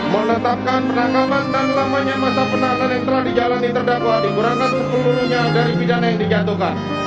menetapkan penangkapan dan lamanya masa penahanan yang telah dijalani terdakwa dikurangkan sepeluruhnya dari pidana yang dijatuhkan